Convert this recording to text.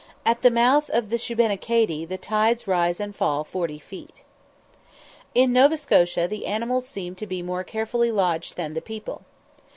At the mouth of the Shubenacadie the tides rise and fall forty feet. In Nova Scotia the animals seemed to be more carefully lodged than the people.